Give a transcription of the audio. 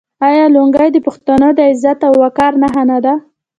آیا لونګۍ د پښتنو د عزت او وقار نښه نه ده؟